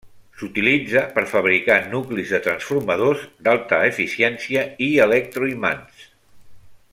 S'utilitza per fabricar nuclis de transformadors d'alta eficiència i electroimants.